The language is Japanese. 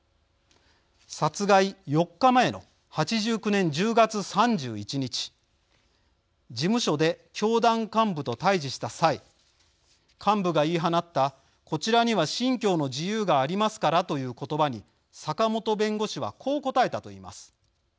殺害４日前の８９年１０月３１日事務所で教団幹部と対じした際幹部が言い放った「こちらには信教の自由がありますから」という言葉に坂本弁護士はこう答えたといいます。